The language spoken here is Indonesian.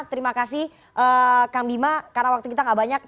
terima kasih kang bima karena waktu kita gak banyak